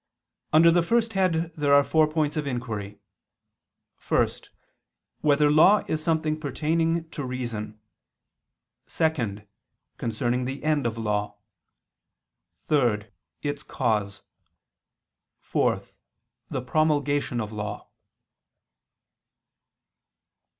Under the first head there are four points of inquiry: (1) Whether law is something pertaining to reason? (2) Concerning the end of law; (3) Its cause; (4) The promulgation of law.